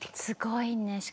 すごいね。